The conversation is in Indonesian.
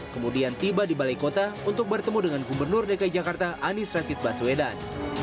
kemudian tiba di balai kota untuk bertemu dengan gubernur dki jakarta anies rasid baswedan